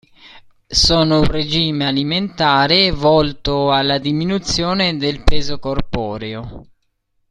Sono un regime alimentare volto alla diminuzione del peso corporeo.